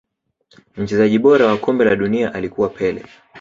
Mchezaji bora wa kombe la dunia alikuwa pele